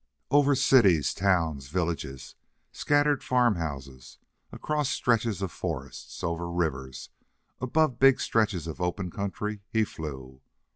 Over cities, towns, villages, scattered farmhouses; across stretches of forest; over rivers, above big stretches of open country he flew.